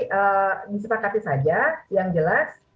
jadi disepakati saja yang jelas